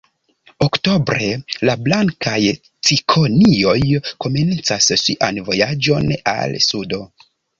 Oktobre la blankaj cikonioj komencas sian vojaĝon al sudo.